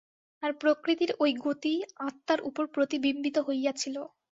আর প্রকৃতির ঐ গতিই আত্মার উপর প্রতিবিম্বিত হইয়াছিল।